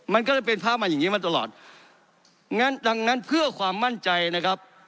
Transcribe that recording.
มันก็เลยเป็นพระมันอย่างงี้มาตลอดงั้นดังนั้นเพื่อความมั่นใจนะครับ